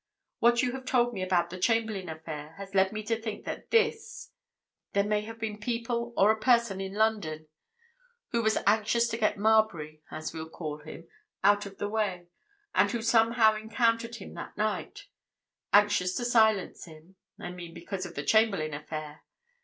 What you have told me about the Chamberlayne affair has led me to think this—there may have been people, or a person, in London, who was anxious to get Marbury, as we'll call him, out of the way, and who somehow encountered him that night—anxious to silence him, I mean, because of the Chamberlayne affair.